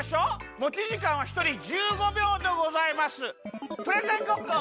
もちじかんはひとり１５びょうでございます。